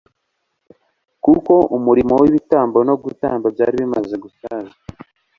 kuko umurimo w'ibitambo no gutamba byari bimaze gusaza